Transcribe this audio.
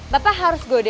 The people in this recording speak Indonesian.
bapak harus godein suti